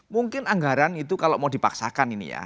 mungkin anggaran itu kalau mau dipaksakan ini ya